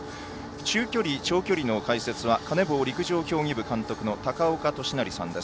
中距離長距離の解説はカネボウ陸上競技部監督の高岡寿成さんです。